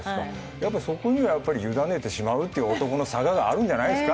やっぱりそこには委ねてしまうという男のさががあるんじゃないですか？